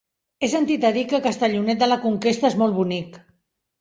He sentit a dir que Castellonet de la Conquesta és molt bonic.